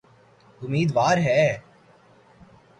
امیدوار ہے۔